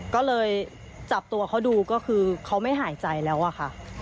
ก็เลยจับตัวเขาดูก็คือเขาไม่หายใจแล้วอะค่ะ